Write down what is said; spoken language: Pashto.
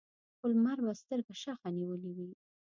خو لمر به سترګه شخه نیولې وي.